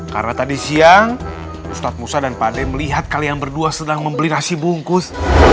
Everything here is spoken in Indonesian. karena tadi siang ustadz musa dan pak de melihat kalian berdua sedang membeli nasi bungkus